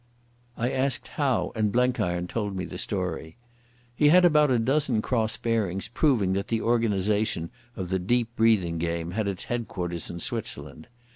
I asked how, and Blenkiron told me the story. He had about a dozen cross bearings proving that the organisation of the "Deep breathing" game had its headquarters in Switzerland.